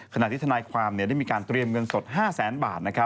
ขณะที่ทนายความได้มีการเตรียมเงินสด๕แสนบาท